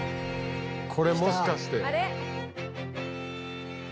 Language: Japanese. これもしかして。